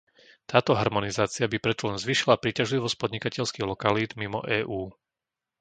Táto harmonizácia by preto len zvýšila príťažlivosť podnikateľských lokalít mimo EÚ.